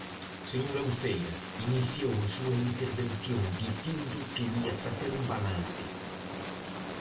Señora Uceira, iniciou a súa intervención dicindo que ía facer un balance.